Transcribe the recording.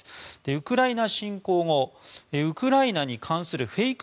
ウクライナ侵攻後ウクライナに関するフェイク